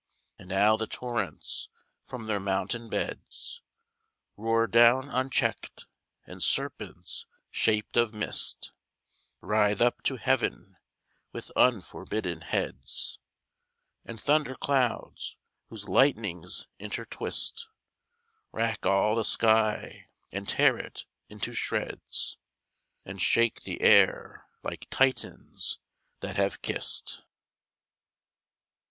And now the torrents from their mountain beds Roar down uncheck'd; and serpents shaped of mist Writhe up to Heaven with unforbidden heads; And thunder clouds, whose lightnings intertwist, Rack all the sky, and tear it into shreds, And shake the air like Titians that have kiss'd!